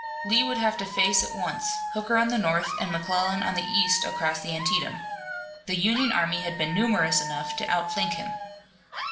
Lee would have to face at once, Hooker on the north and McClellan on the east across the Antietam. The Union army had been numerous enough to outflank him.